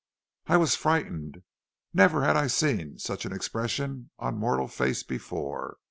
"I was frightened; never had I seen such an expression on mortal face before.